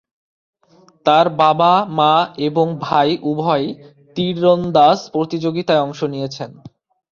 তার বাবা-মা এবং ভাই উভয়ই তীরন্দাজ প্রতিযোগিতায় অংশ নিয়েছেন।